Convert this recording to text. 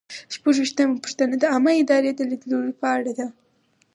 شپږویشتمه پوښتنه د عامه ادارې د لیدلوري په اړه ده.